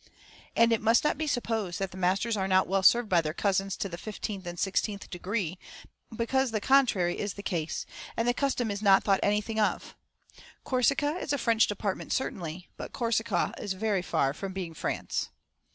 And it must not be supposed that the masters are not well served by their cousins to the fifteenth and sixteenth degree, because the contrary is the case, and the custom is not thought anything of. Corsica is a French Department certainly, but Corsica is very far from being France.